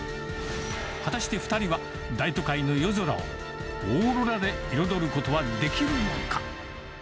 果たして２人は、大都会の夜空を、オーロラで彩ることはできるのか。